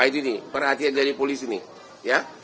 nah itu nih perhatian dari polisi nih